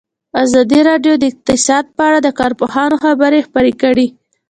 ازادي راډیو د اقتصاد په اړه د کارپوهانو خبرې خپرې کړي.